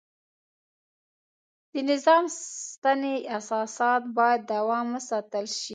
د نظام سنتي اساسات باید دوام وساتل شي.